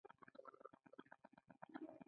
خلقیانو د جهاد په وخت کې نوکان اېستلي دي.